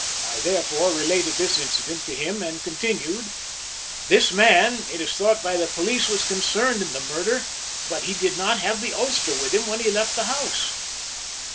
I, therefore, related this incident to him and continued: "This man, it is thought by the police, was concerned in the murder, but he did not have the ulster with him when he left the house."